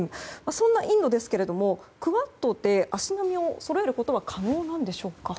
そんなインドですがクアッドで足並みをそろえることは可能なんでしょうか。